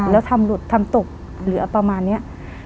แล้วทำหลุดทำตกเหลือประมาณนี้